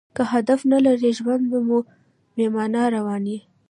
که هدف نه لرى؛ ژوند مو بې مانا روان دئ.